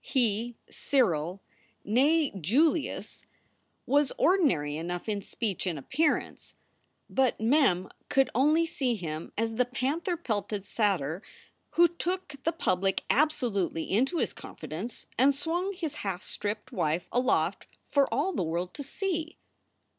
He, Cyril (ne Julius), was SOULS FOR SALE 67 ordinary enough in speech and appearance, but Mem could only see him as the panther pelted satyr who took the public absolutely into his confidence and swung his half stripped wife aloft for all the world to see.